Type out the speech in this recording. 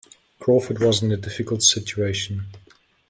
Crawford was in a difficult situation.